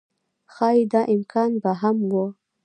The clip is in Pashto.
ښايي دا امکان به هم و